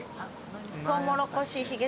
トウモロコシひげ茶。